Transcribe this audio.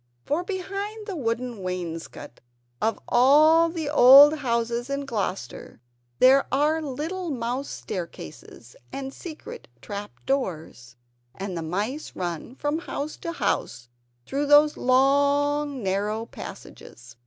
For behind the wooden wainscots of all the old houses in Gloucester, there are little mouse staircases and secret trap doors; and the mice run from house to house through those long, narrow passages.